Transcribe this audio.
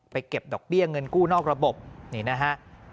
เก็บดอกเบี้ยเงินกู้นอกระบบนี่นะฮะ